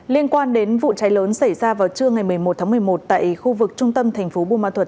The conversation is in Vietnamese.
liên quan đến vụ cháy lớn xảy ra vào trưa ngày một mươi một tháng một mươi một tại khu vực trung tâm thành phố bù ma thuật